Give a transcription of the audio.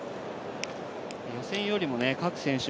予選よりも各選手